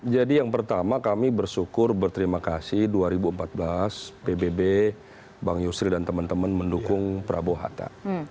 jadi yang pertama kami bersyukur berterima kasih dua ribu empat belas pbb bang yusril dan teman teman mendukung prabowo hatta